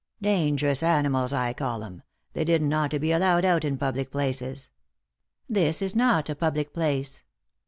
Dangerous animals I call 'em ; they didn't ought to be allowed out in public places." " This is not a public place."